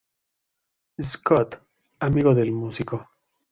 Scott, amigo del músico.